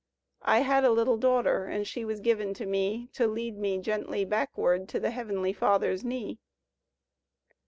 I had a little daughter And she was given to me To lead me gently backward To the Heavenly Father's knee.